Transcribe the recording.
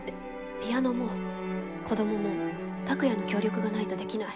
ピアノも子どもも拓哉の協力がないとできない。